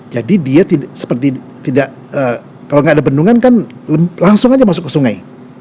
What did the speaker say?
jadi dia seperti tidak kalau tidak ada bendungan kan langsung saja masuk ke sungai